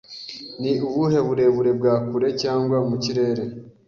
Ni ubuhe burebure bwa kure cyangwa mu kirere